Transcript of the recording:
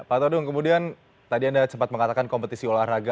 pak todung kemudian tadi anda sempat mengatakan kompetisi olahraga